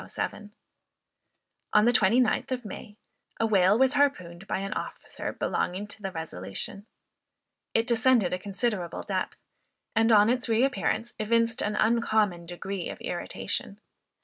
On the 29th of May, a whale was harpooned by an officer belonging to the Resolution. It descended a considerable depth; and, on its re appearance, evinced an uncommon degree of irritation.